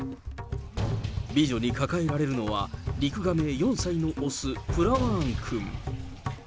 美女に抱えられるのは、リクガメ４歳の雄、プラワーン君。